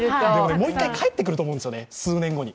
もう１回返ってくると思うんですよね、数年後に。